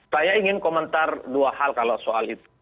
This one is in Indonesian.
saya ingin komentar dua hal kalau soal itu